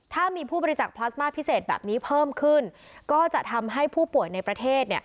ถ้ามีผู้บริจักษ์พลาสมาพิเศษแบบนี้เพิ่มขึ้นก็จะทำให้ผู้ป่วยในประเทศ